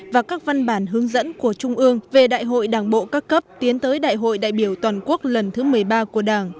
và các văn bản hướng dẫn của trung ương về đại hội đảng bộ các cấp tiến tới đại hội đại biểu toàn quốc lần thứ một mươi ba của đảng